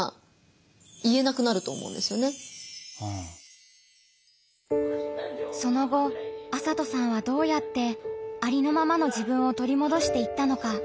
麻斗さんにその後麻斗さんはどうやってありのままの自分を取り戻していったのか。